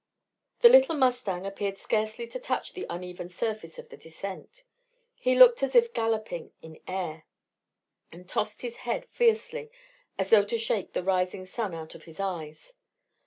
The little mustang appeared scarcely to touch the uneven surface of the descent. He looked as if galloping in air, and tossed his head fiercely as though to shake the rising sun out of his eyes.